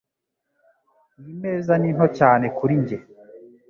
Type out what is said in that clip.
Iyi meza ni nto cyane kuri njye.